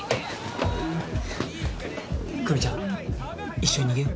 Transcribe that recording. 久実ちゃん一緒に逃げよ。